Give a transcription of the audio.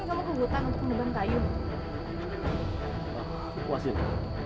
aku akan ubah wujudmu menjadi ganang